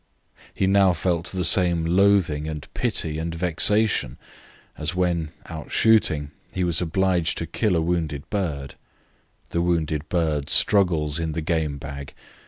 He now felt the same loathing and pity and vexation as when, out shooting, he was obliged to kill a wounded bird. The wounded bird struggles in the game bag.